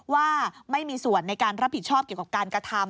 ว่าไม่มีส่วนในการรับผิดชอบเกี่ยวกับการกระทำ